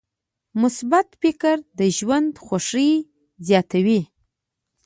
مثبت فکر د ژوند خوښي زیاتوي.